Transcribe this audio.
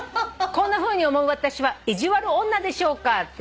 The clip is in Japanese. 「こんなふうに思う私は意地悪女でしょうか？」